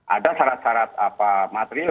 ada syarat syarat material